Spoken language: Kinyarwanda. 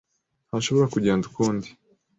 Ntashobora kugenda ukundi.